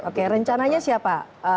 oke rencananya siapa